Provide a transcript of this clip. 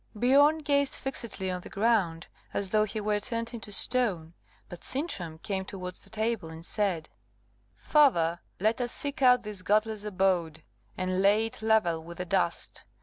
Biorn gazed fixedly on the ground, as though he were turned into stone but Sintram came towards the table, and said, "Father, let us seek out this godless abode, and lay it level with the dust.